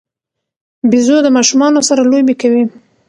بيزو د ماشومانو سره لوبې کوي.